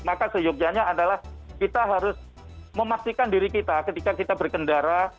maka seyogyanya adalah kita harus memastikan diri kita ketika kita berkendara